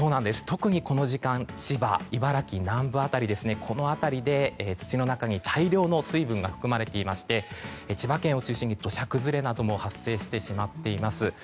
特にこの時間、千葉、茨城南部この辺りで土の中に大量の水分が含まれていまして千葉県を中心に土砂崩れなども発生してしまっています。